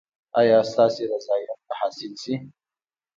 ایا ستاسو رضایت به حاصل شي؟